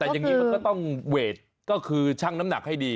แต่อย่างนี้มันก็ต้องเวทก็คือชั่งน้ำหนักให้ดี